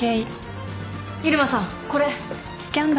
入間さんこれ。